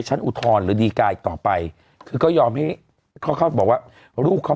อุทธรณ์หรือดีกาอีกต่อไปคือก็ยอมให้เขาเขาบอกว่าลูกเขา